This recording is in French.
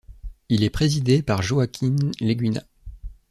Il est présidé par Joaquín Leguina.